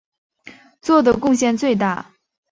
做的贡献最大。